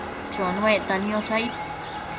Chonuecta niosh aid ?